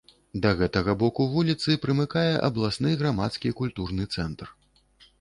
Да гэтага боку вуліцы прымыкае абласны грамадскі культурны цэнтр.